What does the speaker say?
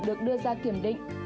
được đưa ra kiểm định